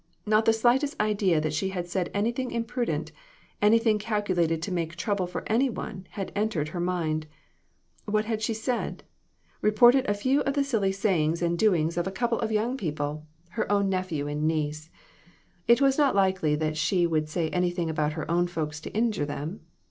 Not the slightest idea that she had said anything imprudent, anything cal culated to make trouble for any one, had entered her mind. What had she said ? Reported a few of the silly sayings and doings of a couple of 158 DON'T REPEAT IT. young people her own nephew and niece. It was not likely that she would say things about her own folks to injure them!